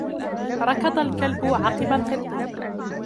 ركض الكلب عقب القط.